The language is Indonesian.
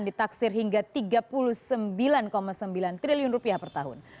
ditaksir hingga tiga puluh sembilan sembilan triliun rupiah per tahun